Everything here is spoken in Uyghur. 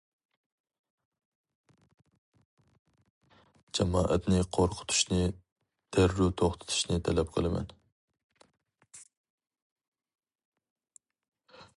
جامائەتنى قورقۇتۇشنى دەررۇ توختىتىشنى تەلەپ قىلىمەن!